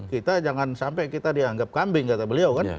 kita jangan sampai kita dianggap kambing kata beliau kan